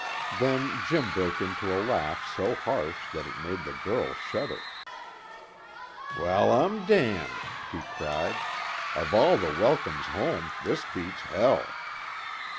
Then Jim broke into a laugh so harsh that it made the girl shudder. "Well I'm damned!" he cried. "Of all the welcomes home this beats hell!"